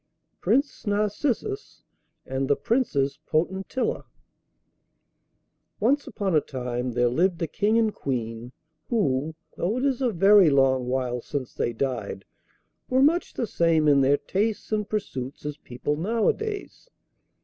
PRINCE NARCISSUS AND THE PRINCESS POTENTILLA Once upon a time there lived a King and Queen who, though it is a very long while since they died, were much the same in their tastes and pursuits as people nowadays.